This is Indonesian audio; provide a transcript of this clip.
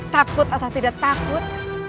takut atau tidak takut